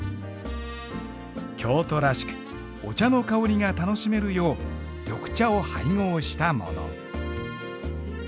京都らしくお茶の香りが楽しめるよう緑茶を配合したもの。